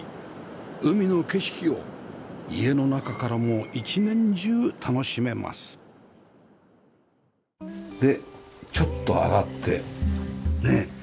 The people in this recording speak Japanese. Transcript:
海の景色を家の中からも一年中楽しめますでちょっと上がってねっ。